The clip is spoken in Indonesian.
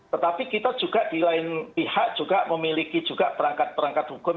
tetapi kita juga di lain pihak juga memiliki juga perangkat perangkat hukum